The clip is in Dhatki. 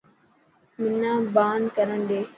منان بان ڪرڻ ڏي.